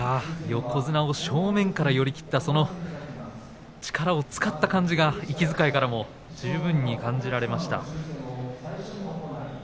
横綱を正面から寄り切った力を使い切った感じが息遣いからも伝わってきました。